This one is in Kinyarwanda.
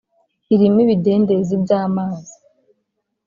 irimo ibidendezi by’amazi